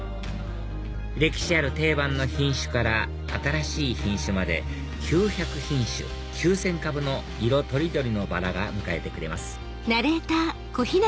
歴史ある定番の品種から新しい品種まで９００品種９０００株の色取り取りのバラが迎えてくれます